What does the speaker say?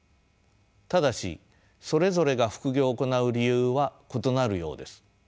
ただしそれぞれが副業を行う理由は異なるようです。